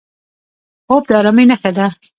خوب د ارامۍ نښه ده